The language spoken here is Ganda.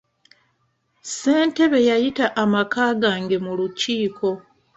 Ssentebe yayita amaka gange mu lukiiko.